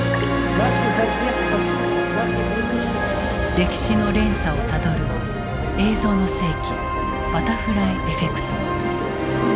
歴史の連鎖をたどる「映像の世紀バタフライエフェクト」。